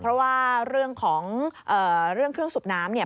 เพราะว่าเรื่องของเครื่องสุบน้ำ